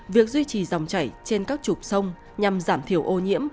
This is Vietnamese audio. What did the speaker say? việc duy trì dòng chảy trên các trục sông nhằm giảm thiểu ô nhiễm